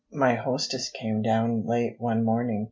My hostess came down late one morning.